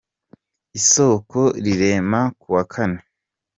isoko rirema kuwa kane